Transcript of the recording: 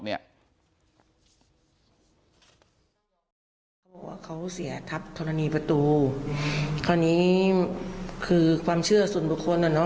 เขาเสียทัพทรณีประตูที่นี้คือความเชื่อส่วนบุคคลเหรอหนู